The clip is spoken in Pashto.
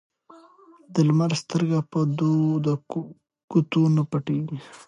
ـ د لمر سترګه په دو ګوتو نه پټيږي.